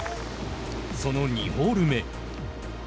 その２ホール目。